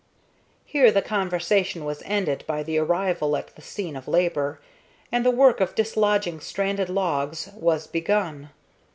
Here the conversation was ended by the arrival at the scene of labor, and the work of dislodging stranded logs was begun.